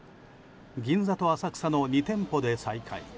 銀座と浅草の２店舗で再開。